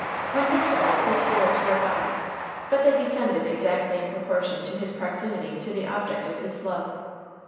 When he started his spirits were high, but they descended exactly in proportion to his proximity to the object of his love.